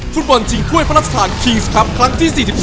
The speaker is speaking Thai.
ฟุตบอลชิงถ้วยพระราชทานคิงส์ครับครั้งที่๔๒